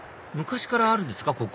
昔からあるんですか